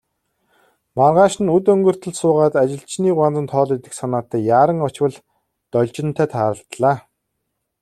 Маргааш нь үд өнгөртөл суугаад, ажилчны гуанзанд хоол идэх санаатай яаран очвол Должинтой тааралдлаа.